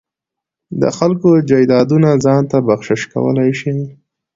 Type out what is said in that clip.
د خلکو جایدادونه ځان ته بخشش کولای شي.